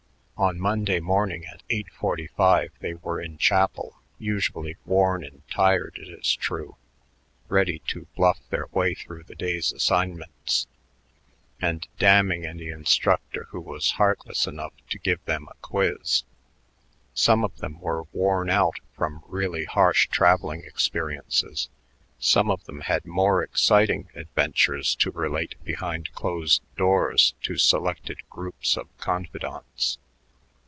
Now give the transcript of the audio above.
On Monday morning at 8:45 they were in chapel, usually worn and tired, it is true, ready to bluff their way through the day's assignments, and damning any instructor who was heartless enough to give them a quiz. Some of them were worn out from really harsh traveling experiences; some of them had more exciting adventures to relate behind closed doors to selected groups of confidants.